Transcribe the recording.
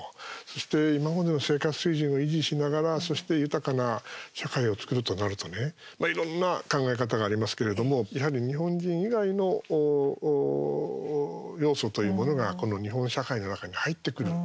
そして、今までの生活水準を維持しながら、そして豊かな社会を作るとなるとねいろんな考え方がありますけれどやはり日本人以外の要素というものがこの日本社会の中に入ってくる。